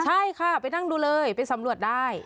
ใช่ค่ะไปนั่งดูเลยไปสำรวจได้